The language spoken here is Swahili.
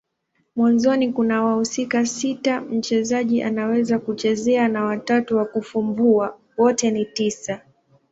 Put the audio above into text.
Mwanzoni kuna wahusika sita mchezaji anaweza kuchezea na watatu wa kufumbua. Wote ni tisa.